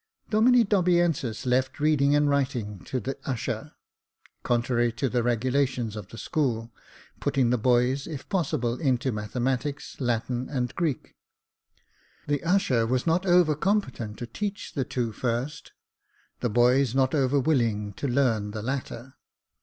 Domine Dobiensis left reading and writing to the Jacob Faithful 23 usher, contrary to the regulations of the school, putting the boys, if possible, into mathematics, Latin, and Greek. The usher was not over competent to teach the two first ; the boys not over willing to learn the latter.